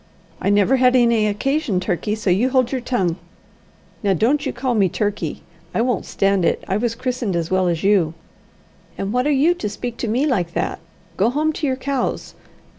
"I never had any occasion, Turkey; so you hold your tongue." "Now don't you call me Turkey. I won't stand it. I was christened as well as you." "And what are you to speak to me like that? Go home to your cows.